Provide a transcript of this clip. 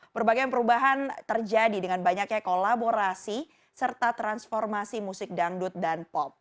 berbagai perubahan terjadi dengan banyaknya kolaborasi serta transformasi musik dangdut dan pop